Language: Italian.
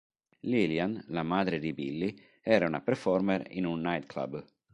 Lillian, la madre di Billie, era una performer in un nightclub.